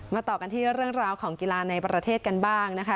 ต่อกันที่เรื่องราวของกีฬาในประเทศกันบ้างนะคะ